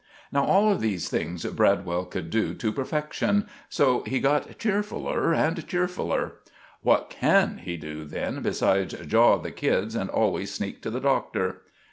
Now all of these things Bradwell could do to perfecksun, so he got cheerfuller and cheerfuller. "What can he do, then, besides jaw the kids and always sneak to the Doctor?"